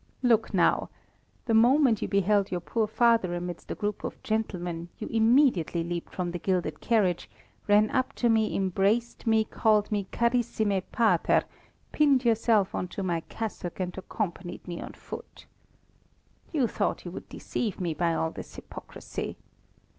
Look, now! the moment you beheld your poor father amidst a group of gentlemen, you immediately leaped from the gilded carriage, ran up to me, embraced me, called me carissime pater, pinned yourself on to my cassock, and accompanied me on foot. You thought you would deceive me by all this hypocrisy.